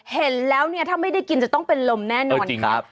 เห็นแล้วถ้าไม่ได้กินจะต้องเป็นลมแน่นอนครับ